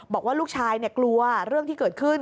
บอกว่าลูกชายกลัวเรื่องที่เกิดขึ้น